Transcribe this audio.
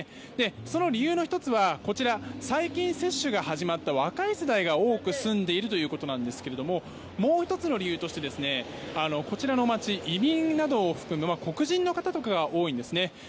その理由の１つは最近、接種が始まった若い世代が多く住んでいるということですがもう１つの理由としてこちらの街は移民などを含む黒人の方とかが多いんですね。